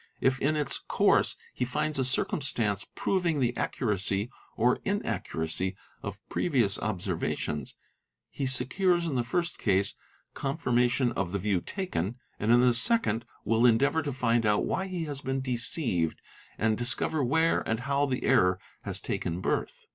If in its — course he finds a circumstance proving the accuracy or inaccuracy of © the previous observations, he secures in the first case confirmation of the view taken and in the second will endeavour to find out why he has. been deceived and discover where and how the error has taken birth.